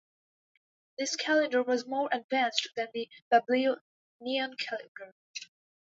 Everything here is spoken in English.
This calendar was more advanced than the Babylonian calendar.